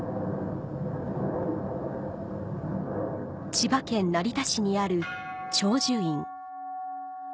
千葉県成田市にある長寿院